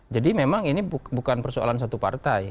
jadi memang ini bukan persoalan satu partai